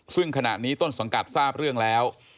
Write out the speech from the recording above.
ซึ่งขณะนี้ต้นสังกัดทราบเรื่องแล้ว